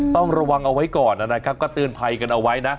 ต้องระวังเอาไว้ก่อนนะครับก็เตือนภัยกันเอาไว้นะ